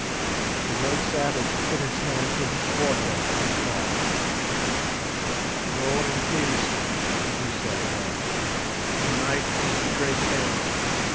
The great savage put his hand to his forehead and thought. "Go in peace," he said at length. "To night is the great dance.